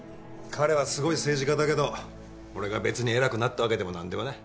彼はすごい政治家だけど俺が別に偉くなったわけでもなんでもない。